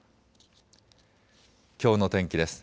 きょうの天気です。